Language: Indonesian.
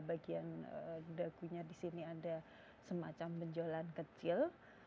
bagian dagunya di sini ada semacam benjolan kecil